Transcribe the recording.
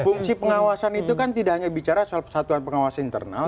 fungsi pengawasan itu kan tidak hanya bicara soal persatuan pengawas internal